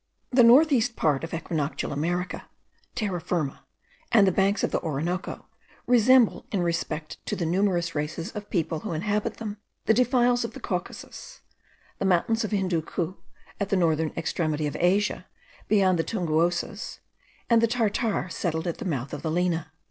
The north east part of equinoctial America, Terra Firma, and the banks of the Orinoco, resemble in respect to the numerous races of people who inhabit them, the defiles of the Caucasus, the mountains of Hindookho, at the northern extremity of Asia, beyond the Tungouses, and the Tartare settled at the mouth of the Lena.